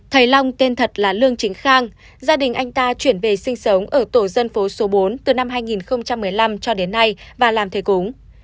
thầy long tên thật là lương chính khang gia đình anh ta chuyển về sinh sống ở tổ dân phố số bốn từ năm hai nghìn một mươi năm cho đến nay và làm thầy cúng